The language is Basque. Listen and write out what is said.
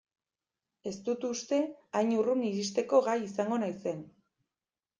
Ez dut uste hain urrun iristeko gai izango naizen.